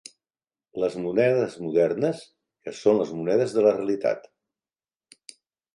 Les monedes modernes, que són les monedes de la realitat